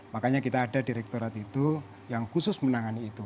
makanya kita ada direkturat itu yang khusus menangani itu